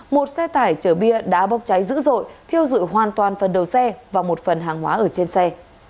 một xe tải chở bia đã bốc cháy dữ dội thiêu dụi hoàn toàn phần đầu xe và một phần hàng hóa ở trên xe